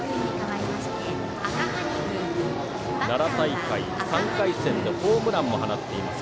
奈良大会３回戦でホームランも放っています